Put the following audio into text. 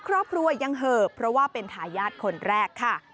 ครอบครัวยังเหอะเพราะว่าเป็นทายาทคนแรกค่ะ